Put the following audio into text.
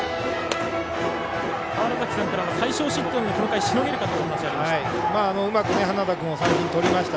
川原崎さんからも最少失点でこの回、しのげるかという話がありました。